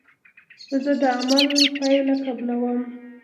زه د عمل پایله قبلوم.